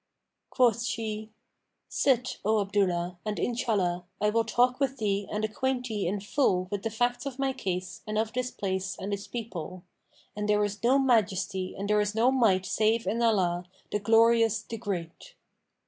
Quoth she, 'Sit, O Abdullah, and Inshallah, I will talk with thee and acquaint thee in full with the facts of my case and of this place and its people; and there is no Majesty and there is no Might save in Allah, the Glorious, the Great!'